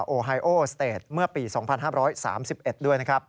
โอไฮโอเมื่อปี๒๕๓๑ด้วย